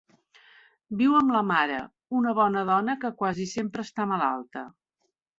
Viu amb la mare, una bona dóna que quasi sempre està malalta.